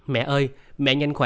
mẹ ơi mẹ nhanh khỏe